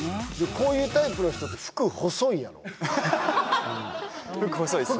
こういうタイプの人って服細いやろ服細いですね